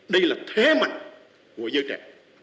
đây là thế mạnh của giới trẻ